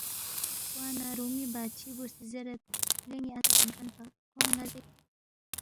کوا نہ رُومی بادشی بُو سی زیرید، لے ن٘ی اتا شِنگ کھن پا، کھون٘ی ن٘ا زیک